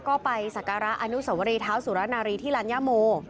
ก็ไปสักการะอนุสวรีเท้าสุรนารีที่ลัญญาโม